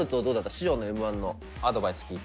師匠のＭ−１のアドバイス聞いて。